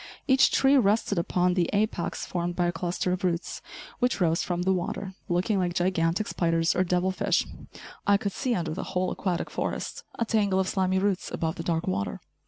Each tree rested upon the apex formed by a cluster of roots, which rose from the water, looking like gigantic spiders or devil fish. I could see under the whole aquatic forest, a tangle of slimy roots above the dark water.